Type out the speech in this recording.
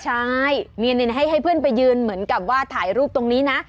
ใช่ให้เพื่อนไปยืนเหมือนกับว่าถ่ายรูปตรงนี้นะ